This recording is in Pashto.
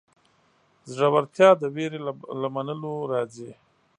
زړورتیا د وېرې له منلو راځي.